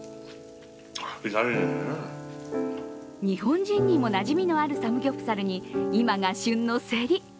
日本人にもなじみのあるサムギョプサルに今が旬のせり。